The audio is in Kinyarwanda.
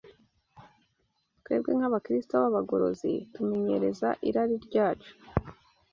twebwe nk’Abakristo b’abagorozi tumenyereza irari ryacu